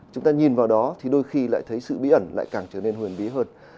chúng ta nhìn vào đó thì đôi khi lại thấy sự bí ẩn lại càng trở nên huyền bí hơn